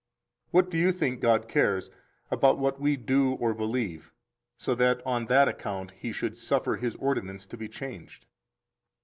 6 What do you think God cares about what we do or believe, so that on that account He should suffer His ordinance to be changed?